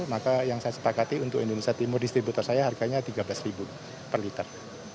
maka yang saya sepakati untuk indonesia timur distributor saya harganya rp tiga belas per liter